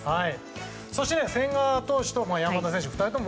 そして、千賀投手と山田選手。